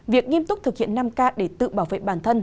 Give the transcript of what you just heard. việc nghiêm túc thực hiện năm k để tự bảo vệ bản thân